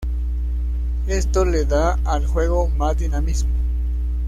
Esto le da al juego más dinamismo.